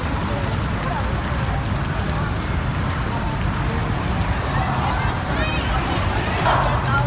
อัศวินธรรมชาติอัศวินธรรมชาติ